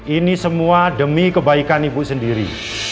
ini semua demi kebaikan ibu sendiri